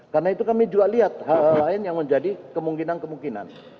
karena itu kami juga lihat hal lain yang menjadi kemungkinan kemungkinan